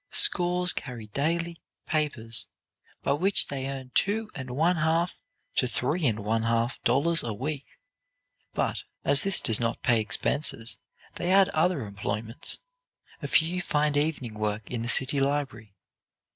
Scores carry daily papers, by which they earn two and one half to three and one half dollars a week; but, as this does not pay expenses, they add other employments. A few find evening work in the city library.